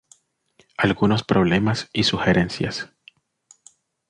Algunos problemas y sugerencias.